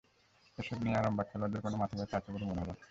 এসব নিয়ে আরামবাগ খেলোয়াড়দের কোনো মাথাব্যথা আছে বলে মনে হলো না।